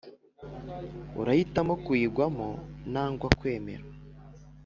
Urahitamo kuyigwamo nangwa kwemera